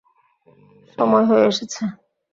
সময় হয়ে এসেছে।